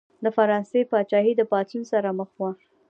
د فرانسې پاچاهي د پاڅون سره مخ وه.